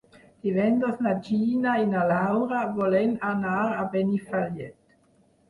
Divendres na Gina i na Laura volen anar a Benifallet.